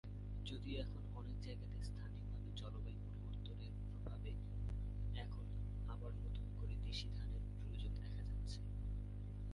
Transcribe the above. যদিও এখন অনেক জায়গাতেই স্থানীয়ভাবে জলবায়ু পরিবর্তনের প্রভাবে এখন আবার নতুন করে দেশী ধানের প্রয়োজন দেখা যাচ্ছে।